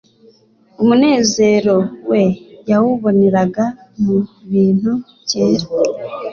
umunezero we yawuboneraga mu bintu byera,